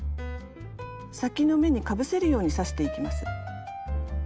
先の目にかぶせるように刺していきます。